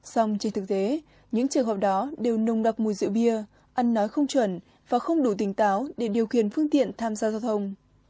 xong trên thực tế những trường hợp đó đều nồng nặc mùi rượu bia ăn nói không chuẩn và không đủ tỉnh táo để điều khiển phương tiện tham gia giao thông